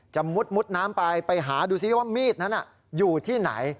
มุดน้ำไปไปหาดูซิว่ามีดนั้นอยู่ที่ไหน